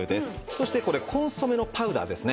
そしてこれコンソメのパウダーですね。